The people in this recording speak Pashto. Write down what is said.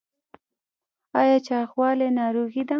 ایا چاغوالی ناروغي ده؟